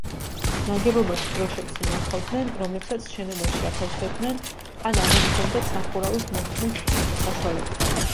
ნაგებობაში დროშებს ინახავდნენ, რომლებსაც შენობაში ათავსებდნენ ან ამოჰქონდათ სახურავის მოხსნის საშუალებით.